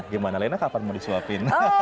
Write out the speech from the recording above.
gimana lena kapan mau disuapin